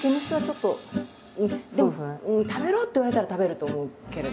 でも「食べろ」って言われたら食べると思うけれども。